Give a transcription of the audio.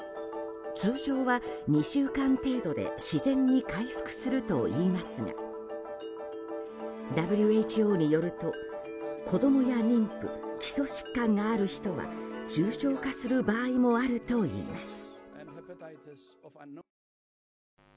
通常は２週間程度で自然に回復するといいますがＷＨＯによると子供や妊婦、基礎疾患がある人は重症化する場合もあるといいます。